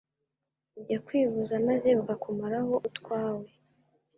ujya kwivuza maze bakakumaraho utwawe